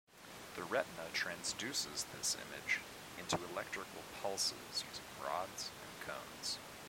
The retina transduces this image into electrical pulses using rods and cones.